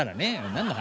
何の話？